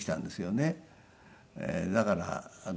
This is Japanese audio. だから